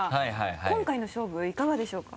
今回の勝負いかがでしょうか？